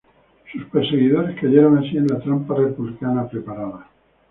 Sus perseguidores cayeron así en la trampa republicana preparada.